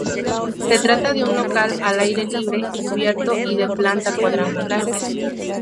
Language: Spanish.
Se trata de un local al aire libre, cubierto y de planta cuadrangular.